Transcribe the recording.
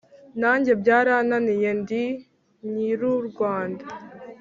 nanjye byarananiye ndi nyr’u rwanda,